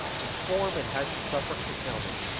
In form it had to suffer curtailment.